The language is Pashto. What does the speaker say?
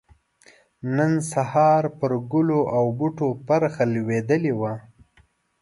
نن سحار پر ګلو او بوټو پرخه لوېدلې وه